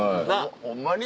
ホンマに？